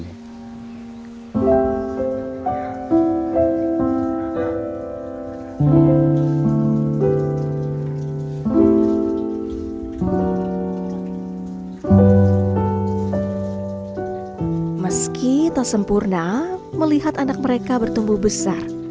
meski tak sempurna melihat anak mereka bertumbuh besar